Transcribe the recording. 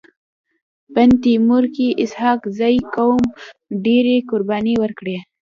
بند تيمور کي اسحق زي قوم ډيري قرباني ورکړي.